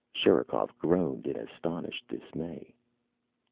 Sherikov groaned in astonished dismay.